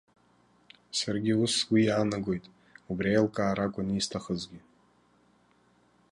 Саргьы ус сгәы иаанагоит, убри аилкаара акәын исҭахызгьы.